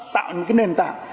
tạo những nền tảng